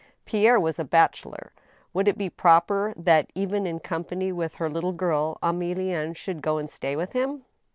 Pierre was a bachelor. Would it be proper that, even in com pany with her little giri, Emilienne should go and stay with him